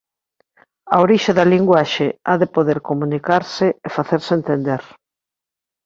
A Orixe da linguaxe ha de poder comunicarse e facerse entender.